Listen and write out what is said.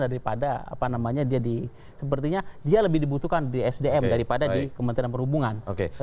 daripada dia lebih dibutuhkan di sdm daripada di kementerian perhubungan